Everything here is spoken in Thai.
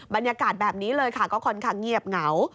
บรรยากาศแบบนี้เลยค่ะก็ค่อนข้างเงียบเหงา